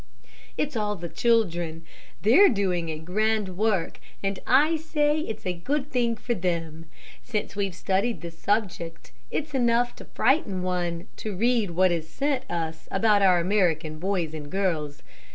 "It's all the children. They're doing a grand work, and I say it's a good thing for them. Since we've studied this subject, it's enough to frighten one to read what is sent us about our American boys and girls.